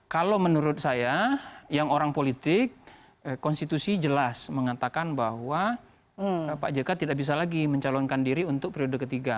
kalau menurut saya yang orang politik konstitusi jelas mengatakan bahwa pak jk tidak bisa lagi mencalonkan diri untuk periode ketiga